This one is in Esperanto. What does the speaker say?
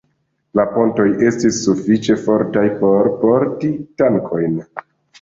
La pontoj estis sufiĉe fortaj por porti tankojn.